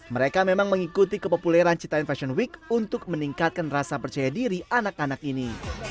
mereka memang mengikuti kepopuleran citain fashion week untuk meningkatkan rasa percaya diri anak anak ini